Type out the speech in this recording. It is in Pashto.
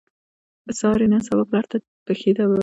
سارې نن پلار ته پښې دربولې، شله وه دوه زره افغانۍ یې ترې واخستلې.